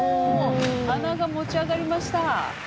鼻が持ち上がりました。